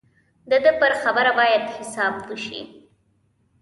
د ده پر خبره باید حساب وشي.